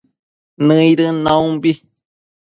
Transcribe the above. nëidën naumbi